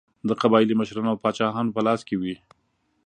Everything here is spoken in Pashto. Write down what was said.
د قبایلي مشرانو او پاچاهانو په لاس کې وې.